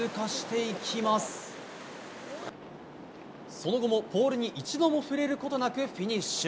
その後もポールに一度も触れることなくフィニッシュ。